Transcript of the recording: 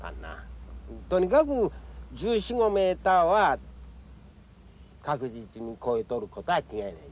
とにかく１４１５ｍは確実に超えとることは違いないんだ。